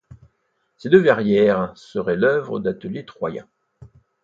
Ces deux verrières seraient l'œuvre d'ateliers troyens.